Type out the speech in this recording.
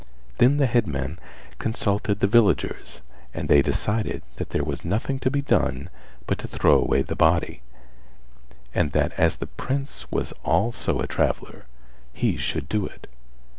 Then the headman consulted the villagers and they decided that there was nothing to be done but to throw away the body, and that as the Prince was also a traveller he should do it.